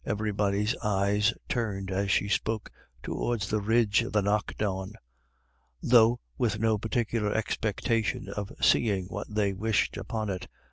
Everybody's eyes turned, as she spoke, toward the ridge of the Knockawn, though with no particular expectation of seeing what they wished upon it.